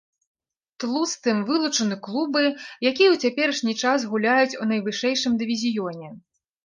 Тлустым вылучаны клубы, якія ў цяперашні час гуляюць ў найвышэйшым дывізіёне.